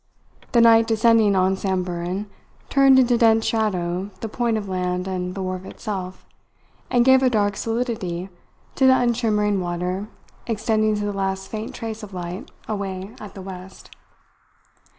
The night descending on Samburan turned into dense shadow the point of land and the wharf itself, and gave a dark solidity to the unshimmering water extending to the last faint trace of light away to the west.